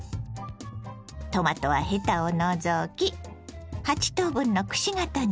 トマトはヘタを除き８等分のくし形に切ります。